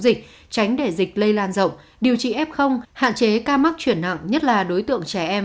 dịch tránh để dịch lây lan rộng điều trị f hạn chế ca mắc chuyển nặng nhất là đối tượng trẻ em